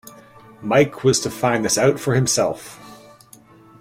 Mike was to find this out for himself.